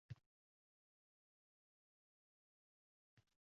Siz bilan bundan keyin yana ko`rishamizmi, yo`qmi Olloh biladi